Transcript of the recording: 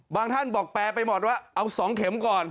ท่านบอกแปลไปหมดว่าเอา๒เข็มก่อน